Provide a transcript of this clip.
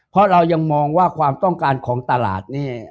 เพราะเรายังมองว่าความต้องการของตลาดเนี่ย